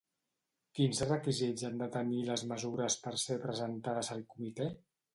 Quins requisits han de tenir les mesures per ser presentades al Comitè?